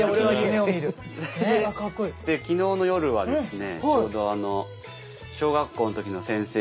昨日の夜はですね